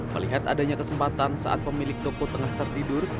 melihat adanya kesempatan saat pemilik toko tengah tertidur